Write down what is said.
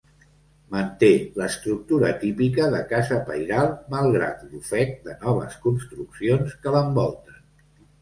Manté l'estructura típica de casa pairal malgrat l'ofec de noves construccions que l'envolten.